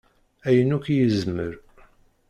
Ayen akk i yezmer.